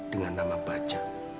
dengan nama baja